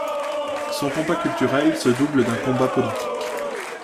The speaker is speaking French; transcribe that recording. Son combat culturel se double d'un combat politique.